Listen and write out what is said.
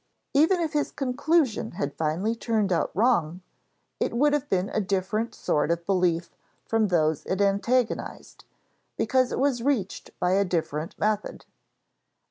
Even if his conclusion had finally turned out wrong, it would have been a different sort of belief from those it antagonized, because it was reached by a different method.